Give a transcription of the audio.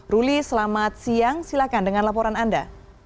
ruli selamat siang silakan dengan laporan anda